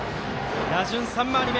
打順３回り目。